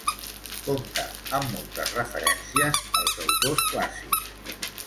Compta amb moltes referències als autors clàssics.